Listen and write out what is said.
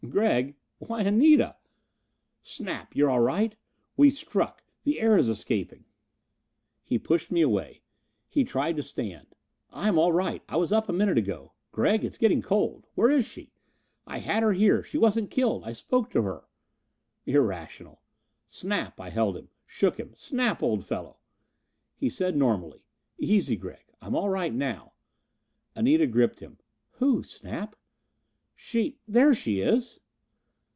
"Gregg! Why, Anita!" "Snap! You're all right? We struck the air is escaping." He pushed me away. He tried to stand. "I'm all right. I was up a minute ago. Gregg, it's getting cold. Where is she? I had her here she wasn't killed. I spoke to her." Irrational! "Snap!" I held him, shook him. "Snap, old fellow!" He said, normally. "Easy, Gregg. I'm all right now." Anita gripped him. "Who, Snap?" "She! There she is."